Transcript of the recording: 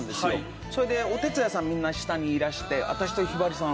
それでお手伝いさんみんな下にいらして私とひばりさん